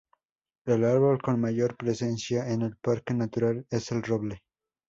El árbol con mayor presencia en el parque natural es el roble.